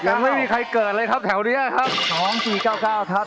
ยังไม่มีใครเกิดเลยครับแถวนี้อะครับ